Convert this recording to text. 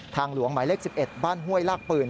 หลวงหมายเลข๑๑บ้านห้วยลากปืน